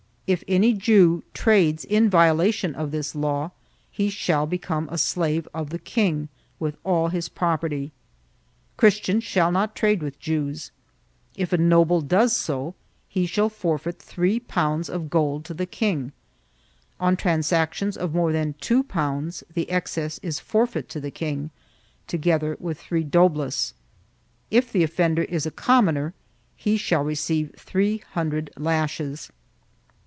If any Jew trades in violation of this law he shall become a slave of the king, with all his property. Christians shall not trade with Jews; if a noble does so, he shall forfeit three pounds of gold to the king; on transactions of more than two pounds, the excess is forfeit to the king, together with three doblas; if the offender is a com moner, he shall receive three hundred lashes.